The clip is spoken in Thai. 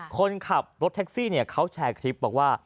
คนขับรถแท็กซี่เขาแชร์คลิปบอกว่า